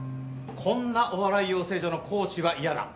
こんなお笑い養成所の講師は嫌だ。